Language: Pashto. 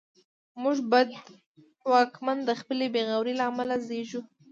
موږ بد واکمن د خپلې بېغورۍ له امله زېږوو.